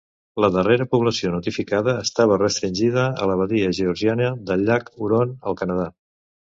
La darrera població notificada estava restringida a la badia georgiana del llac Huron, al Canadà.